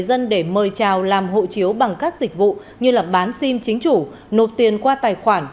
dân để mời chào làm hộ chiếu bằng các dịch vụ như bán sim chính chủ nộp tiền qua tài khoản